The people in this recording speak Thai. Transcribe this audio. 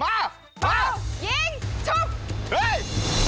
เสาคำยันอาวุธิ